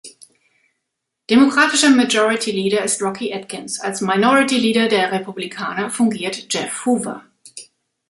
Demokratischer "Majority leader" ist Rocky Adkins, als "Minority leader" der Republikaner fungiert Jeff Hoover.